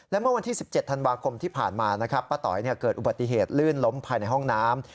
และเมื่อวันที่๑๗ธันวาคมที่ผ่านมานะครับป้าต๋อยเกิดอุบัติเหตุลื่นล้มภายในห้องน้ำ